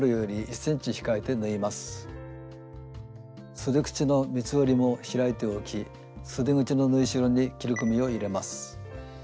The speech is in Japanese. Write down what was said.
そで口の三つ折りも開いておきそで口の縫いしろに切り込みを入れます。